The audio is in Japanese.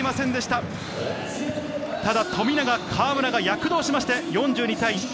ただ富永、河村が躍動しまして、４２対２７。